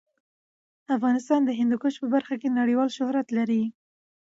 افغانستان د هندوکش په برخه کې نړیوال شهرت لري.